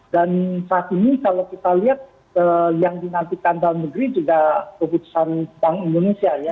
dan saat ini kalau kita lihat yang dinantikan dalam negeri juga keputusan bank indonesia ya